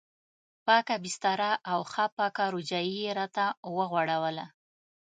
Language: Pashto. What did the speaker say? پاکه بستره او ښه پاکه رجایي یې راته وغوړوله.